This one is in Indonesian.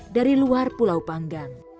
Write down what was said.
dari pulau yang diperlukan untuk menjaga keamanan